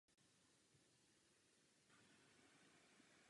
Vystudoval Filozofickou fakultu Univerzity Karlovy v Praze.